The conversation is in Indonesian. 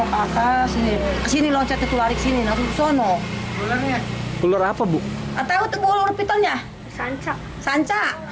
kakak sini sini loncat ke tuarik sini nabung sono bulannya pulang apa bu atau tepungnya sancak sancak